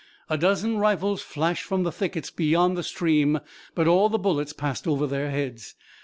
A dozen rifles flashed from the thickets beyond the stream, but all the bullets passed over their heads.